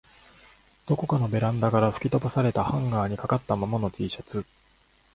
どこかのベランダから吹き飛ばされたハンガーに掛かったままの Ｔ シャツ